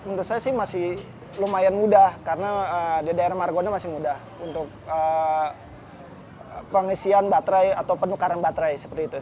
menurut saya sih masih lumayan mudah karena di daerah maragona masih mudah untuk pengisian atau penukaran baterai